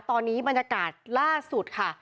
ตอนนี้บรรยากาศล่าสุดค่ะ